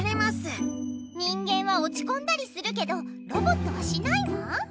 人間はおちこんだりするけどロボットはしないわ。